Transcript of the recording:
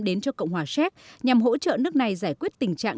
đến cho cộng hòa séc nhằm hỗ trợ nước này giải quyết tình trạng